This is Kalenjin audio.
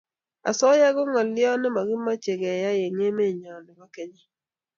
asoya ko ngalyo ne makimache keyai eng emet nenyo nebo kenya